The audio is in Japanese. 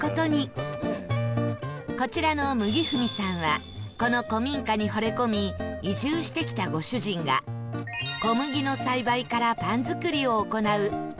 こちらの麦踏さんはこの古民家にほれ込み移住してきたご主人が小麦の栽培からパン作りを行うこだわりのパン屋さん